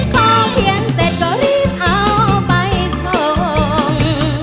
พอเขียนเสร็จก็รีบเอาไปส่ง